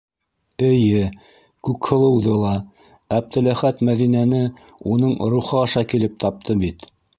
Эйе, Күкһылыуҙы ла: Әптеләхәт Мәҙинәне уның рухы аша килеп тапты бит.